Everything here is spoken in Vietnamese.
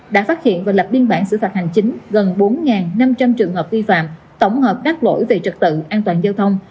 đã phát hiện và lập biên bản xử phạt hành chính gần bốn năm trăm linh trường hợp vi phạm tổng hợp các lỗi về trật tự an toàn giao thông